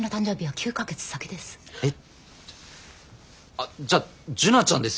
あっじゃあ樹奈ちゃんですよ。